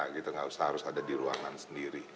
gak usah ada di ruangan sendiri